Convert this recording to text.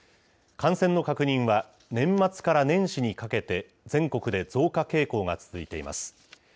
感染の確認は、年末から年始にかけて、全国で増加傾向が続いています。